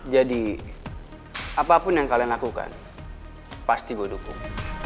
jadi apapun yang kalian lakukan pasti gue dukung